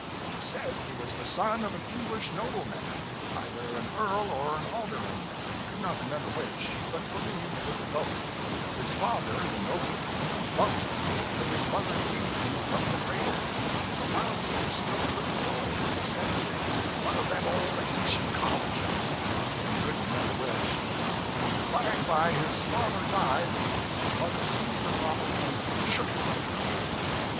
He said he was the son of an English nobleman either an earl or an alderman, he could not remember which, but believed was both; his father, the nobleman, loved him, but his mother hated him from the cradle; and so while he was still a little boy he was sent to 'one of them old, ancient colleges' he couldn't remember which; and by and by his father died and his mother seized the property and 'shook' him as he phrased it.